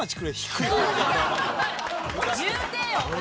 重低音。